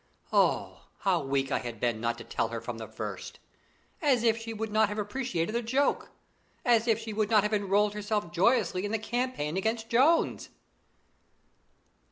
Oh, how weak I had been not to tell her from the first! As if she would not have appreciated the joke! As if she would not have enrolled herself joyously in the campaign against Jones!